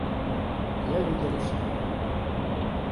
Я видела сон.